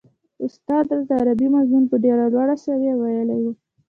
استاد راته عربي مضمون په ډېره لوړه سويه ويلی و.